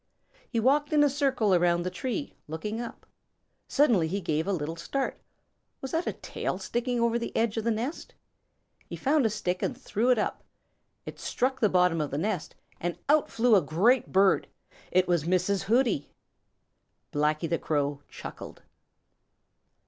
He walked in a circle around the tree, looking up. Suddenly he gave a little start. Was that a tail sticking over the edge of the nest? He found a stick and threw it up. It struck the bottom of the nest, and out flew a great bird. It was Mrs. Hooty! Blacky the Crow chuckled.